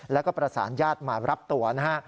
แล้วก็ประสานญาติมารับตัวนะฮะ